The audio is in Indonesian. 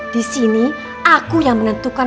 disini aku yang menentukan